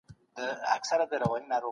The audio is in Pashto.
پيغمبر د مظلوم حق وغوښت.